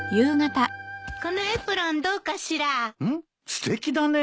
すてきだね。